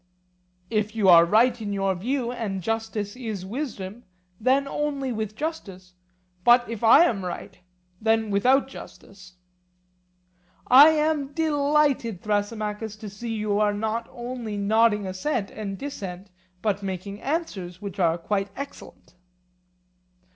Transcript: If you are right in your view, and justice is wisdom, then only with justice; but if I am right, then without justice. I am delighted, Thrasymachus, to see you not only nodding assent and dissent, but making answers which are quite excellent.